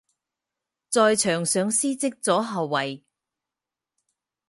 在场上司职左后卫。